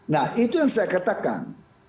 nah itu yang saya katakan